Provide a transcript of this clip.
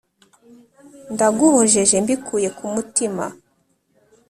ndaguhojeje mbikuye k’umutima